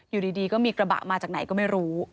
อยู่ดีก็มีกระบะมาจากไหนก็ไม่รู้